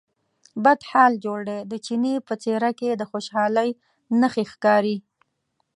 بد حال جوړ دی، د چیني په څېره کې د خوشالۍ نښې ښکارې.